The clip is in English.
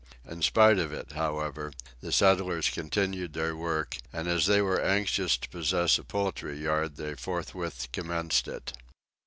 In spite of it, however, the settlers continued their work, and as they were anxious to possess a poultry yard they forthwith commenced it.